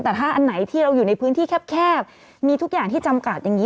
แต่ถ้าอันไหนที่เราอยู่ในพื้นที่แคบมีทุกอย่างที่จำกัดอย่างนี้